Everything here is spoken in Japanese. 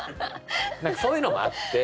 何かそういうのもあって。